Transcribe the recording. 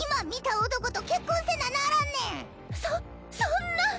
そそんな！